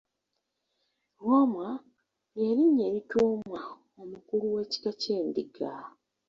Lwomwa, lye linnya erituumwa omukulu w’ekika ky’endiga.